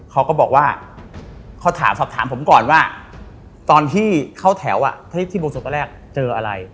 เขาก็บอกว่าเขาถามสอบถามผมก่อนว่าตอนที่เข้าแถวที่วงศพแรกเจออะไร